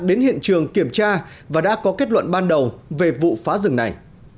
đến hiện trường kiểm tra và đã có kết luận ban đầu về vụ phá rừng này